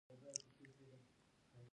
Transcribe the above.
د اسلام سیاسی نظام